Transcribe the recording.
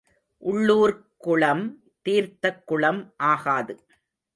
உள்ளூர்க் குளம் தீர்த்தக் குளம் ஆகாது.